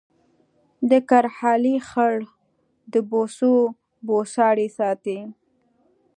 د کرهالې خړ د بوسو بوساړې ساتي